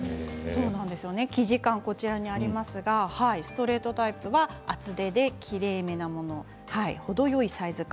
生地感ストレートタイプは厚手できれいめなもの程よいサイズ感